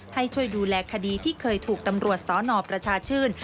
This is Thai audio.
ให้ช่วยดูแลคดีที่เคยถูกตำรวจสนประชาชื่น